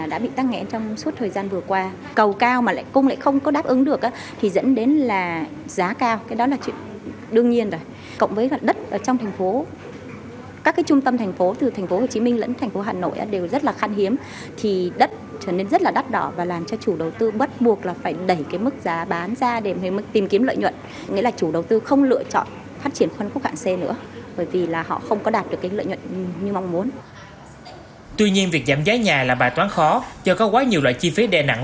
do có quá nhiều loại chi phí đe nặng lên doanh nghiệp